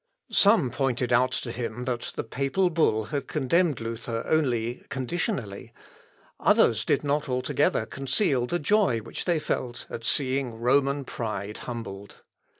] Some pointed out to him that the papal bull had condemned Luther only conditionally; others did not altogether conceal the joy which they felt at seeing Roman pride humbled.